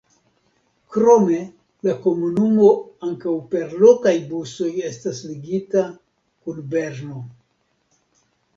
Krome la komunumo ankaŭ per lokaj busoj estas ligita kun Berno.